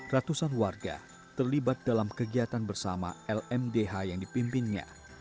ratusan warga terlibat dalam kegiatan bersama lmdh yang dipimpinnya